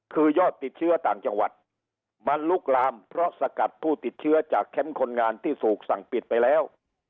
คือยอดติดเชื้อต่างจังหวัดมันลุกลามเพราะสกัดผู้ติดเชื้อจากแคมป์คนงานที่ถูกสั่งปิดไปแล้ว